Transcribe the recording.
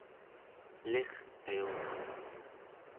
elirqiuq